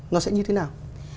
nó sẽ như thế nào